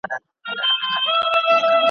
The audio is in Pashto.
له هغه وخته چي ما پېژندی `